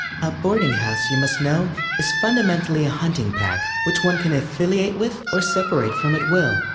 A Boarding House, you must know, is fundamentally a hunting pack which one can affiliate with or separate from at will.